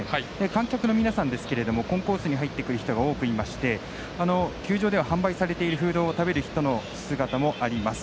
観客の皆さんですけれどもコンコースに入って来る人が多くいまして球場で販売されているフードを食べる人の姿もあります。